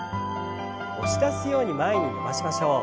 押し出すように前に伸ばしましょう。